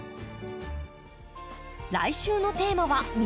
来週のテーマは「水やり」。